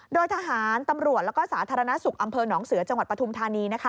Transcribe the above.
โดยทหารตำรวจแล้วก็สาธารณสุขอำเภอหนองเสือจังหวัดปฐุมธานีนะคะ